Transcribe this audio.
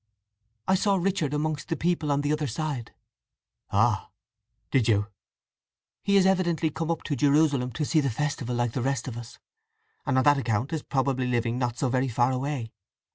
"I saw Richard amongst the people on the other side." "Ah—did you!" "He is evidently come up to Jerusalem to see the festival like the rest of us: and on that account is probably living not so very far away.